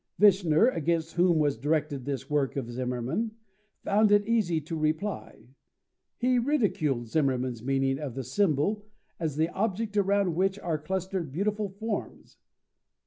Vischer, against whom was directed this work of Zimmermann, found it easy to reply. He ridiculed Zimmermann's meaning of the symbol as the object around which are clustered beautiful forms.